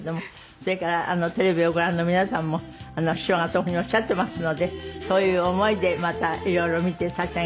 それからテレビをご覧の皆様も師匠がそういうふうにおっしゃってますのでそういう思いでまた色々見てさしあげてください。